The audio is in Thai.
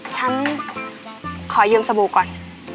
ฉันขอยืมสบู่ก่อน